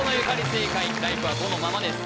正解ライフは５のままです